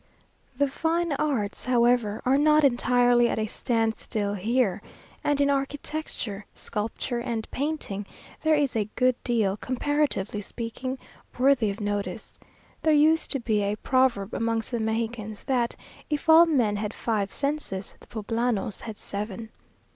The fine arts, however, are not entirely at a standstill here; and in architecture, sculpture, and painting, there is a good deal, comparatively speaking, worthy of notice. There used to be a proverb amongst the Mexicans, that "if all men had five senses, the Poblanos had seven."